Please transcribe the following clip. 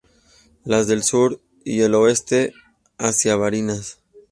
Las del sur y el oeste hacia Barinas.